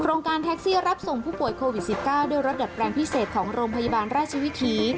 การแท็กซี่รับส่งผู้ป่วยโควิด๑๙ด้วยรถดัดแปลงพิเศษของโรงพยาบาลราชวิถี